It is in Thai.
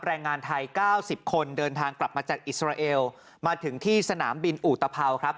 แรงงานไทย๙๐คนเดินทางกลับมาจากอิสราเอลมาถึงที่สนามบินอุตภัวครับ